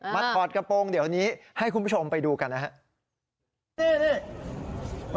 ถอดกระโปรงเดี๋ยวนี้ให้คุณผู้ชมไปดูกันนะครับ